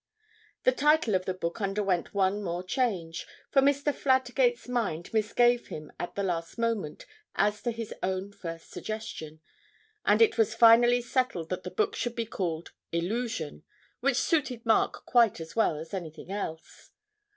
The title of the book underwent one more change, for Mr. Fladgate's mind misgave him at the last moment as to his own first suggestion, and it was finally settled that the book should be called 'Illusion,' which suited Mark quite as well as anything else.